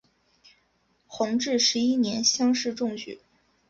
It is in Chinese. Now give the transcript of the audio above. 弘治十一年乡试中举。